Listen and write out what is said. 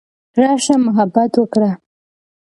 راشه محبت وکړه.